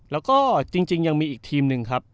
แล้วก็จริงยังมีอีกทีมหนึ่งครับ